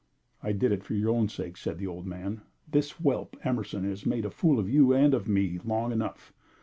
"I did it for your own sake," said the old man. "This whelp, Emerson, has made a fool of you and of me long enough.